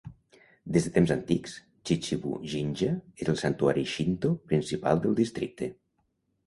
Des de temps antics, Chichibu-jinja és el santuari Shinto principal del districte.